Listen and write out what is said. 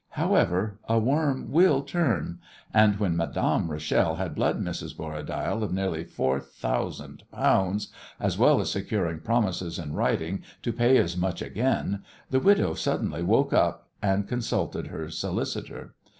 However, a worm will turn, and when Madame Rachel had bled Mrs. Borradaile of nearly four thousand pounds as well as securing promises in writing to pay as much again, the widow suddenly woke up and consulted her solicitor.